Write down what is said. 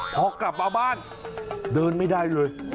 พอกลับมาบ้านเดินไม่ได้เลย